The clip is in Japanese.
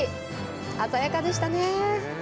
鮮やかでしたね。